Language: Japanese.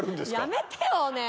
やめてよねえ。